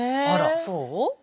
あらそう？